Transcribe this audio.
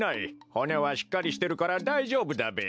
ほねはしっかりしてるからだいじょうぶだべ。